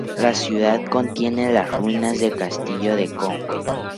La ciudad contiene las ruinas de Castillo de Conway.